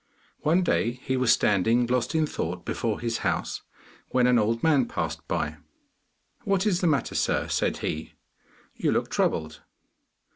One day he was standing lost in thought before his house, when an old man passed by. 'What is the matter, sir, said he, 'you look troubled?